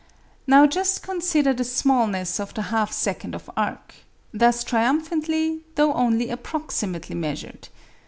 Now just consider the smallness of the half second of arc, thus triumphantly though only approximately measured.